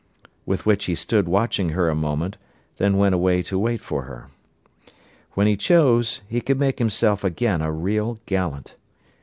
With which he stood watching her a moment, then went away to wait for her. When he chose he could still make himself again a real gallant.